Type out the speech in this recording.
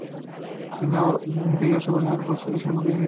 তিনি দিল্লির আরব সরাইয়ে অবস্থিত শাহী মাদ্রাসায় শিক্ষকতা করেছিলেন।